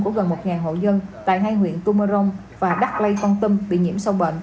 của gần một hộ dân tại hai huyện tù mật rồng và đắc lây con tâm bị nhiễm sâu bệnh